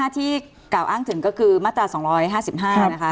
ที่กล่าวอ้างถึงก็คือมาตรา๒๕๕นะคะ